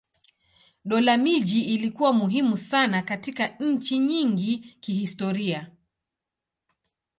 Dola miji ilikuwa muhimu sana katika nchi nyingi kihistoria.